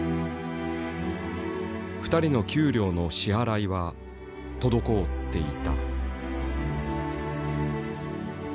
２人の給料の支払いは滞っていた。